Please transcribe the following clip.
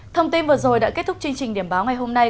thông tin vừa rồi đã kết thúc chương trình điểm báo ngày hôm nay